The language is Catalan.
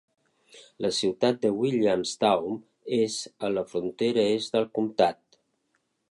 La ciutat de Williamstown és a la frontera est del comtat.